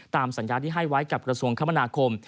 ตามสัญญาที่ให้ไว้กับกระทรวงคมนาคม